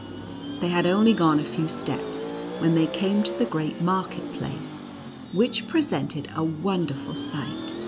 They had only gone a few steps, when they came to the great market place, which presented a wonderful sight.